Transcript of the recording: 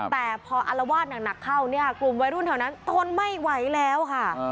แต่พออารวาสหนักเข้าเนี่ยกลุ่มวัยรุ่นแถวนั้นทนไม่ไหวแล้วค่ะ